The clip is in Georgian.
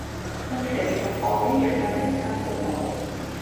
ფოთლები და ყვავილი იხმარება სამკურნალოდ.